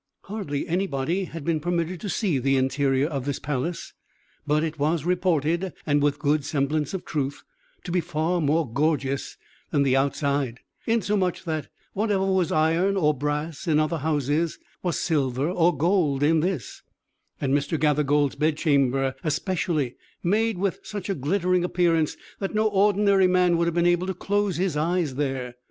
Hardly anybody had been permitted to see the interior of this palace; but it was reported, and with good semblance of truth, to be far more gorgeous than the outside, insomuch that whatever was iron or brass in other houses was silver or gold in this; and Mr. Gathergold's bedchamber, especially, made such a glittering appearance that no ordinary man would have been able to close his eyes there.